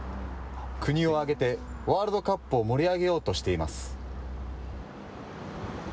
国を挙げてワールドカップを盛り上げようとしています。